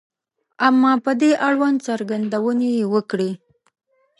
• اما په دې اړوند څرګندونې یې وکړې.